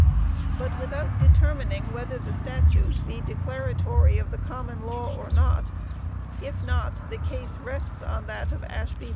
_... "But without determining whether the statute be declaratory of the common law, or not; if not, the case rests on that of _Ashby v.